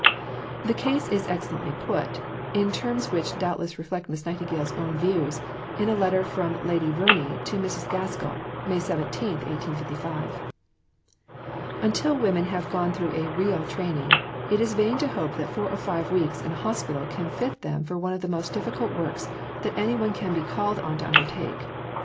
The case is excellently put, in terms which doubtless reflect Miss Nightingale's own views, in a letter from Lady Verney to Mrs. Gaskell (May 17, 1855): Until women have gone through a real training, it is vain to hope that four or five weeks in a Hospital can fit them for one of the most difficult works that any one can be called on to undertake.